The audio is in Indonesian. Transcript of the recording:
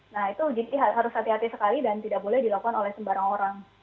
nah itu harus hati hati sekali dan tidak boleh dilakukan oleh sembarang orang